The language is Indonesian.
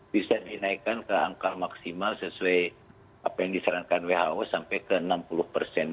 bisa dinaikkan ke angka maksimal sesuai apa yang disarankan who sampai ke enam puluh persen